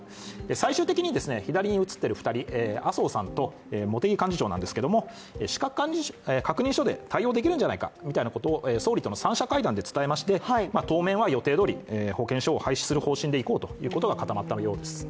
最終的に麻生さんと茂木幹事長なんですけれども資格確認書で対応できるんじゃないかみたいなことを総理との三者会談で伝えまして当面は予定どおり保険証を廃止するという方針で固まったようです。